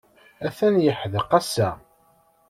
Atan yeḥdeq ass-a.